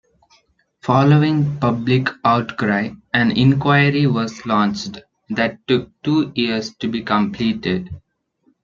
Following public outcry, an inquiry was launched that took two years to be completed.